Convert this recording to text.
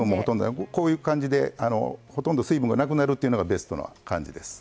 こういう感じでほとんど水分がなくなるというのがベストな感じです。